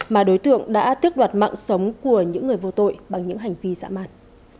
mà đối tượng đã tước đoạt mạng sống của những người vô tội bằng những hành vi xả mạng